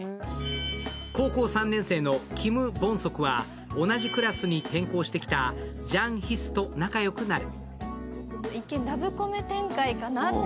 高校３年生のキム・ボンソクは同じクラスに転校してきたジャン・ヒスと仲よくなる。